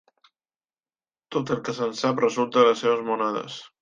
Tot el que se'n sap resulta de les seves monedes.